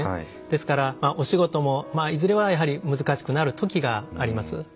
ですからお仕事もいずれはやはり難しくなる時があります。